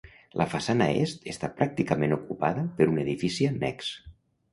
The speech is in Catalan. La façana est està pràcticament ocupada per un edifici annex.